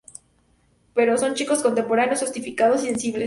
Pero son chicos contemporáneos, sofisticados y sensibles.